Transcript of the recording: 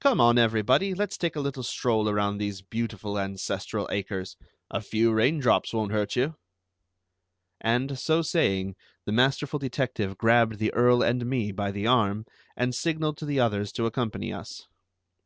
"Come on, everybody, let's take a little stroll around these beautiful ancestral acres. A few rain drops won't hurt you." And, so saying, the masterful detective grabbed the Earl and me by the arm and signalled to the others to accompany us.